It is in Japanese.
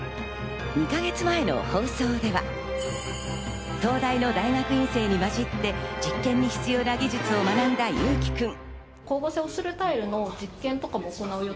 ２か月前の放送では、東大の大学院生にまじって実験に必要な技術を学んだ侑輝くん。